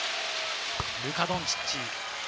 ルカ・ドンチッチ。